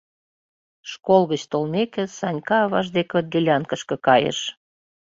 Школ гыч толмеке, Санька аваж деке делянкышке кайыш.